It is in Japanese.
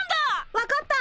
分かった！